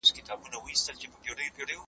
پیرودونکي صحي محصولاتو ته ارزښت ورکوي.